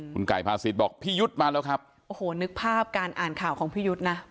คุณไก่พาศิษย์บอกพี่ยุทธ์มาแล้วครับโอ้โหนึกภาพการอ่านข่าวของพี่ยุทธ์นะ